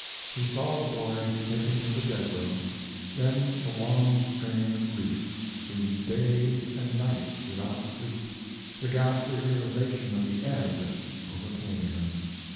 He saw the boy taken to the dead room, then the long strain of grief, the days and nights without sleep, the ghastly realization of the end overcame him.